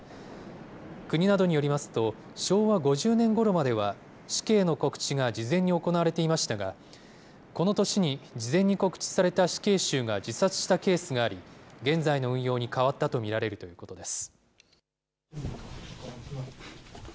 国などによりますと、昭和５０年ごろまでは、死刑の告知が事前に行われていましたが、この年に事前に告知された死刑囚が自殺したケースがあり、現在の運用に変わったと見られるということです。